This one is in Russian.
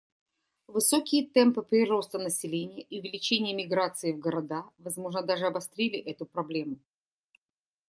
Высокие темпы прироста населения и увеличение миграции в города, возможно, даже обострили эту проблему.